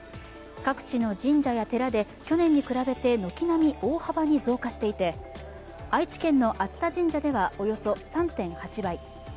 各地の神社や寺で去年に比べて軒並み大幅に増加していて、愛知県の熱田神宮ではおよそ３．８倍